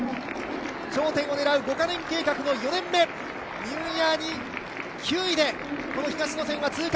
頂点を狙う５カ年計画の４年目、ニューイヤーに９位で東予選は通過。